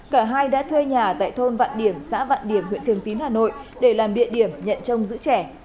cả hai đã thuê nhà tại thôn vạn điểm xã vạn điểm huyện thường tín hà nội để làm địa điểm nhận trông giữ trẻ